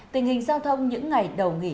tình hình giao thông những ngày đầu nghỉ